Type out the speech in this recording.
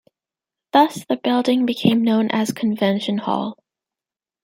Thus the building became known as Convention Hall.